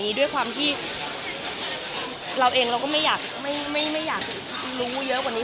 มันลงไปเยอะกว่านี้ด้วยความที่เราเองเราก็ไม่อยากรู้เยอะกว่านี้